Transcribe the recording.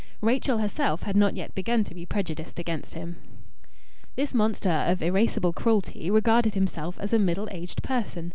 Rachel herself had not yet begun to be prejudiced against him. This monster of irascible cruelty regarded himself as a middle aged person.